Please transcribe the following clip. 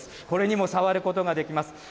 これにも触ることができます。